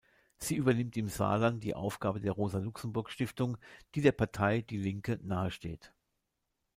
Sie übernimmt im Saarland die Aufgaben der "Rosa-Luxemburg-Stiftung", die der Partei "Die Linke" nahesteht.